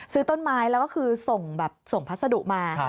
ซื้อต้นไม้แล้วก็คือส่งพัสดุมา